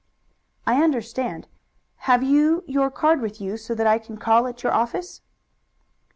"I understand. Have you your card with you, so that I can call at your office?"